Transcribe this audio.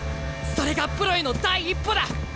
それがプロへの第一歩だ！